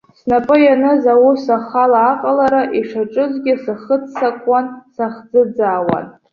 Снапы ианыз аус ахала аҟалара ишаҿызгьы сахыццакуан, сахӡыӡаауан.